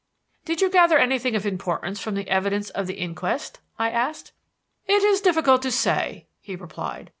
"Did you gather anything of importance from the evidence at the inquest?" I asked. "It is difficult to say," he replied.